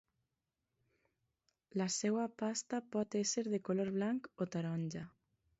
La seua pasta pot ésser de color blanc o taronja.